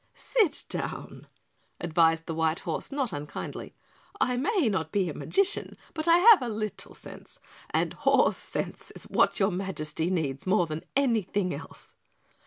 "Sit down," advised the white horse, not unkindly. "I may not be a magician, but I have a little sense, and horse sense is what your Majesty needs more than anything else."